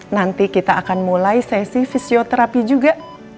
nanti kita akan mulai sesi fisioterapi juga